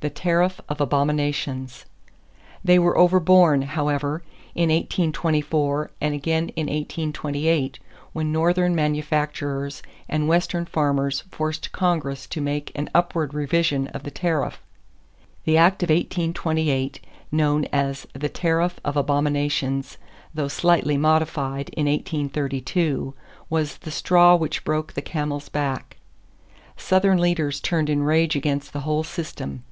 The Tariff of Abominations. They were overborne, however, in 1824 and again in 1828 when Northern manufacturers and Western farmers forced Congress to make an upward revision of the tariff. The Act of 1828 known as "the Tariff of Abominations," though slightly modified in 1832, was "the straw which broke the camel's back." Southern leaders turned in rage against the whole system.